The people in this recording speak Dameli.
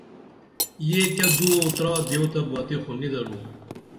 یہ کیہ دو او ترا دیو تہ باتی خو نی درو